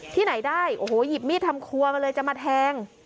ที่ไหนได้โอ้โหหยิบมีดทำครัวมาเลยจะมาแทง